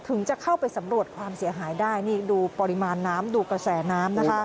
ถึงจะเข้าไปสำรวจความเสียหายได้นี่ดูปริมาณน้ำดูกระแสน้ำนะคะ